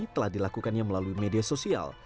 telah dilakukannya melalui media sosial